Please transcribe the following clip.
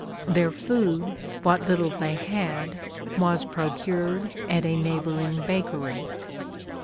Their food, what little they had, was procured at a neighboring bakery.